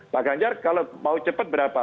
pak ganjar kalau mau cepat berapa